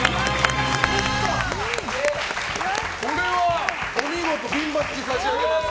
これはお見事ピンバッジ差し上げます。